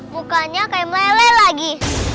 mukanya kayak meleleh lagi